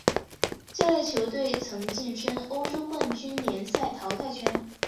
下列球队曾晋身欧洲冠军联赛淘汰圈。